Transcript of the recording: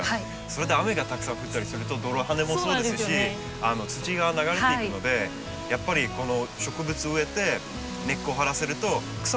それで雨がたくさん降ったりすると泥はねもそうですし土が流れていくのでやっぱりこの植物植えて根っこを張らせると草も生えてこないですよね。